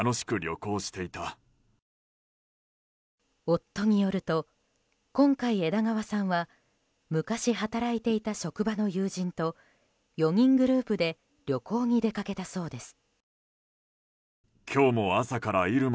夫によると今回、枝川さんは昔働いていた職場の友人と４人グループで旅行に出かけたそうです。